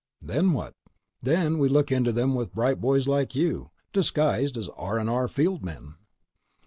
"Then what?" "Then we look into them with bright boys like you—disguised as R&R field men."